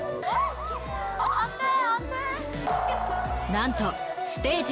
なんとステージ